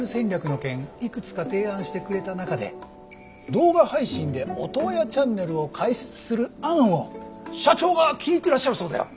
いくつか提案してくれた中で動画配信でオトワヤチャンネルを開設する案を社長が気に入ってらっしゃるそうだよ。